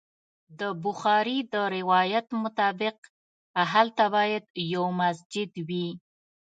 د بخاري د روایت مطابق هلته باید یو مسجد وي.